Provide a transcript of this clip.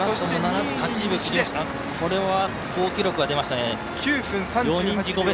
これは、好記録が出ました。